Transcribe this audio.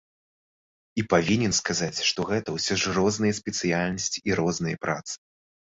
І павінен сказаць, што гэта ўсё ж розныя спецыяльнасці і розныя працы.